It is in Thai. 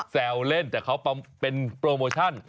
แซวเล่นแต่เขาเป็นโปรโมชั่น